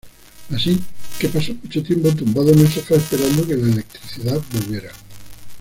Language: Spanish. Así que pasó mucho tiempo tumbado en el sofá esperando que la electricidad volviera.